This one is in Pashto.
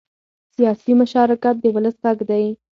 سیاسي مشارکت د ولس غږ دی